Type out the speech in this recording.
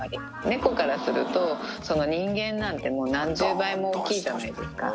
猫からすると、人間なんて何十倍も大きいじゃないですか。